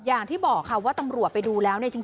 อย่างที่บอกค่ะว่าตำรวจไปดูแล้วเนี่ยจริง